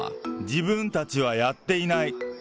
自分たちはやっていない。